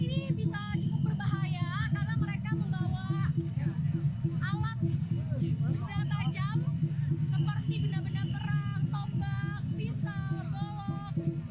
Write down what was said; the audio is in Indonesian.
kalau saya bilang ini bisa berbahaya karena mereka membawa alat tajam seperti benda benda perang tombol pisau golong